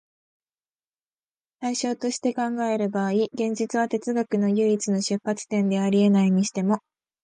対象として考える場合、現実は哲学の唯一の出発点であり得ないにしても、